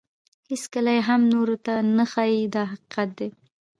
هیڅکله یې هم نورو ته نه ښایي دا حقیقت دی.